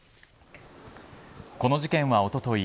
この事件はおととい